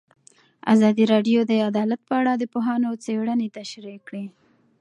ازادي راډیو د عدالت په اړه د پوهانو څېړنې تشریح کړې.